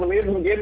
boleh satu lagi